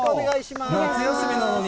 夏休みなのに。